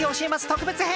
特別編。